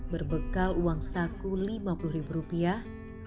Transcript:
berbekal uang saku lima puluh ribu rupiah